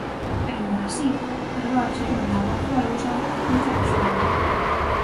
Aínda así, as gorxas mandaban folgos ao equipo en cada xogada.